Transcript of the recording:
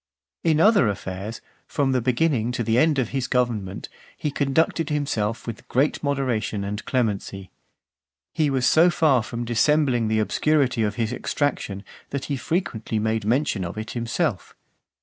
XII. In other affairs, from the beginning to the end of his government, he conducted himself with great moderation and clemency. He was so far from dissembling the obscurity of his extraction, that he frequently made mention of it himself.